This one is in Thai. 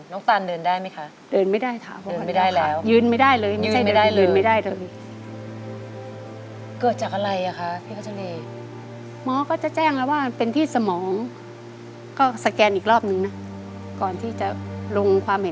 น้องตานเดินได้มั้ยคะ